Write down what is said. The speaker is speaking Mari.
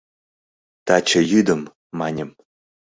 «Таче йӱдым», — маньым.